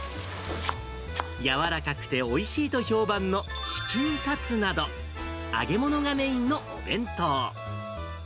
柔らかくておいしいと評判のチキンカツなど、揚げ物がメインのお弁当。